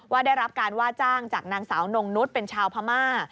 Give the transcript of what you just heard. ได้รับการว่าจ้างจากนางสาวนงนุษย์เป็นชาวพม่า